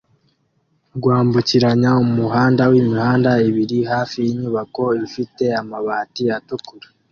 rwambukiranya umuhanda wimihanda ibiri hafi yinyubako ifite amabati atukura